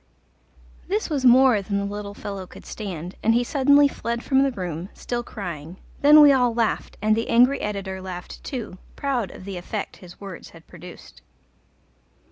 This was more than the little fellow could stand, and he suddenly fled from the room, still crying; then we all laughed, and the angry editor laughed too, proud of the effect his words had produced.